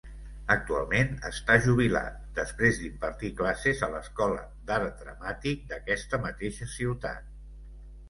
Actualment està jubilat, després d'impartir classes a l'Escola d'Art Dramàtic d'aquesta mateixa ciutat.